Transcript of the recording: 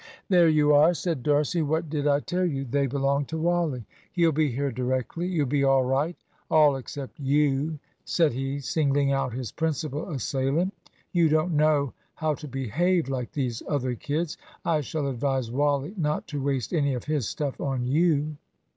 "There you are," said D'Arcy. "What did I tell you! They belong to Wally; he'll be here directly. You'll be all right all except you," said he, singling out his principal assailant. "You don't know how to behave, like these other kids. I shall advise Wally not to waste any of his stuff on you."